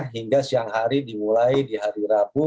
hingga siang hari dimulai di hari rabu